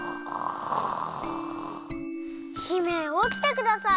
姫おきてください！